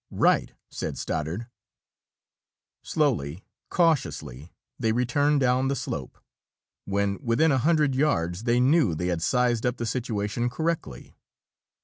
"Right," said Stoddard. Slowly, cautiously, they returned down the slope. When within a hundred yards, they knew they had sized up the situation correctly.